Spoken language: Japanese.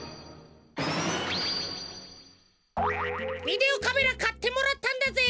ビデオカメラかってもらったんだぜ。